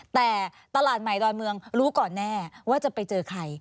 แต่ตลาดใหม่ดอนเมืองรู้ก่อนแน่ว่าจะไปเจอใคร